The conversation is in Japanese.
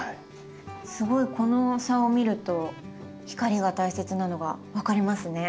すごいこの差を見ると光が大切なのが分かりますね。